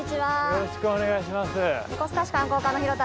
よろしくお願いします。